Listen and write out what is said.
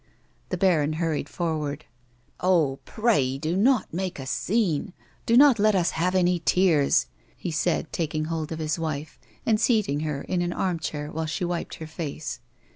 The baron hurried forward ;" Oh, pray do not make a scene, do not let us have any tears," he said, taking hold of his wife, and seating her in an armchair while she wiped her face.